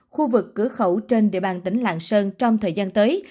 khu vực cửa khẩu trên địa bàn tỉnh lạng sơn trong thời gian tới